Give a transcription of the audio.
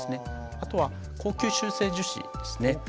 あとは高吸収性樹脂ですね。